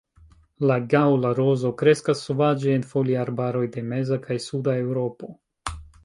La gaŭla rozo kreskas sovaĝe en foliarbaroj de meza kaj suda Eŭropo.